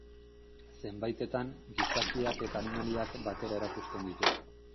Zenbaitetan, gizakiak eta animaliak batera erakusten ditu.